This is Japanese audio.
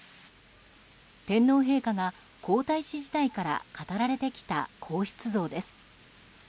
天皇陛下が皇太子時代から語られてきた皇室像です。